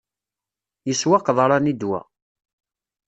Yeswa qeḍran i ddwa.